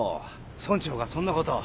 村長がそんなことを。